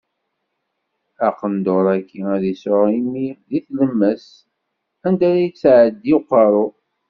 Aqendur-agi ad isɛu imi di tlemmast, anda ara yettɛeddi uqerru.